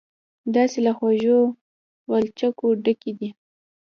داسې له خوږو غلچکو ډکې دي.